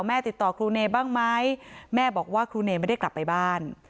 ติดต่อครูเนย์บ้างไหมแม่บอกว่าครูเนไม่ได้กลับไปบ้าน